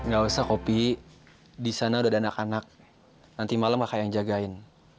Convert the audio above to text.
gak usah kopi disana udah ada anak anak nanti malem kakak yang jagain